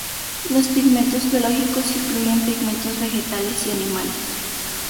Los pigmentos biológicos incluyen pigmentos vegetales y animales.